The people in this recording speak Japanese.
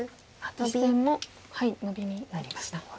実戦もノビになりました。